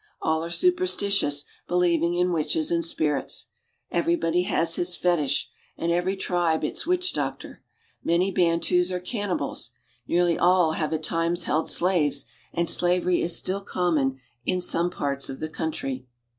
All are superstitious, believing in witches and spirits. Everybody has his fetish, and every tribe its witch doctor. Many Bantus are cannibals ; nearly all have at times held slaves, and slavery is still common in some parts of the country.